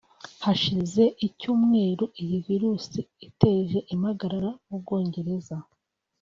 Hashize icyumweru iyi virusi iteje impagarara mu Bwongereza